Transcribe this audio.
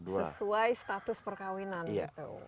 sesuai status perkawinan gitu